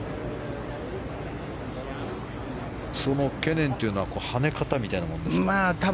その懸念というのは跳ね方みたいなものですか？